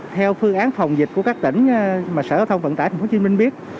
theo phương án phòng dịch của các tỉnh mà sở giao thông vận tải thành phố hồ chí minh biết